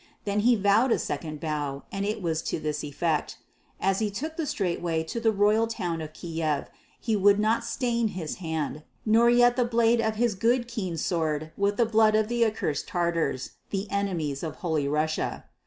Then he vowed a second vow, and it was to this effect as he took the straight way to the royal town of Kiev he would not stain his hand, nor yet the blade of his good keen sword with the blood of the accursed Tatars, the enemies of Holy Russia.